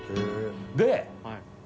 で。